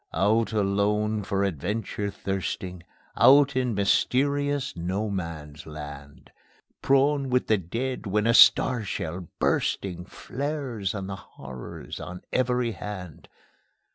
Out alone, for adventure thirsting, Out in mysterious No Man's Land; Prone with the dead when a star shell, bursting, Flares on the horrors on every hand.